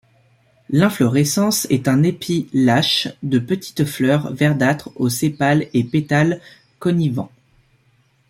L'inflorescence est un épi lâche de petites fleurs verdâtres aux sépales et pétales connivents.